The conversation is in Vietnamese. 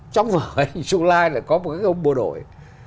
trong vở anh chu lai là có một cái ông bộ đội